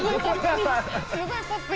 すごいポップに。